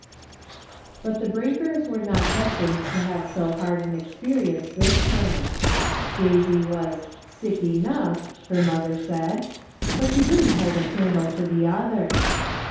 But the Brinkers were not destined to have so hard an experience this time. Daisy was "sick enough," her mother said, "but she didn't hold a candle to the other."